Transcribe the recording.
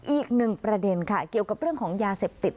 อีกหนึ่งประเด็นค่ะเกี่ยวกับเรื่องของยาเสพติด